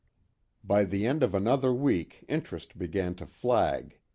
By the end of another week interest began to flag.